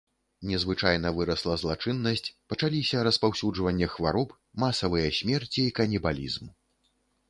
Незвычайна вырасла злачыннасць, пачаліся распаўсюджванне хвароб, масавыя смерці і канібалізм.